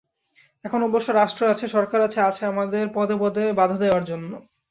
এখন অবশ্য রাষ্ট্র আছে, সরকার আছে, আছে আমাদের পদে পদে বাধা দেওয়ার জন্য।